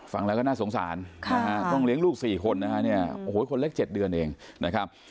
ฟังแล้วก็น่าสงสารนะฮะต้องเลี้ยงลูก๔คนนะฮะเนี่ยโอ้โหคนเล็ก๗เดือนเองนะครับ